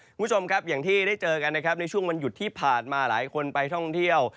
คุณผู้ชมครับอย่างที่ได้เจอกันนะครับในช่วงวันหยุดที่ผ่านมาหลายคนไปท่องเที่ยว